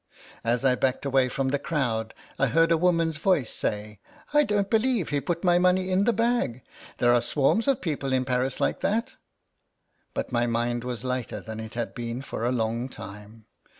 As I backed away from the crowd I heard a woman's voice say, " I don't believe he put my money in the bag. There are swarms of people in Paris like that !" But my mind was lighter than it had been for a long time.